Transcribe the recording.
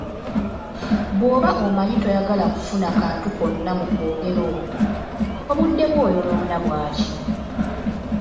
Bw'oba omanyi toyagala kufuna kantu konna mu kwogera okwo, obudde bwo oyonoona bwaki?